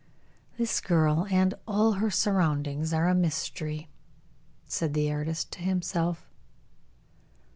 "This girl and all her surroundings are a mystery," said the artist to himself.